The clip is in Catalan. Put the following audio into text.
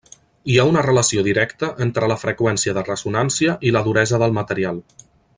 Hi ha una relació directa entre la freqüència de ressonància i la duresa del material.